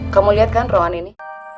kamu lihat kan rohan ini